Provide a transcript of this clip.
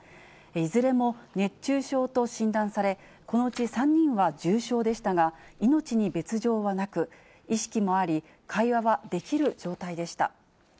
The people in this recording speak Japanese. いずれも熱中症と診断され、このうち３人は重症でしたが、命に別状はなく、意識もあり、会話はできる状態でした。